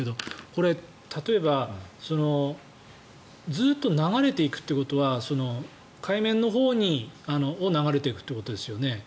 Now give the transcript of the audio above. これ、例えばずっと流れていくということは海面のほうを流れていくということですよね？